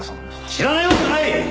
知らないわけはない！